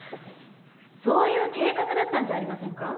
そういう計画だったんじゃありませんか？